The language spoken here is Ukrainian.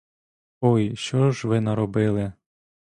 Ой, що ж ви наробили!